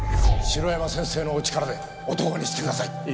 城山先生のお力で男にしてください。